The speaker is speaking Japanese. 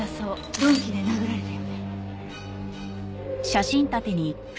鈍器で殴られたようね。